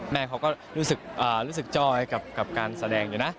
แม่เขาก็รู้สึกจ้อให้กับการแสดงอยู่นะ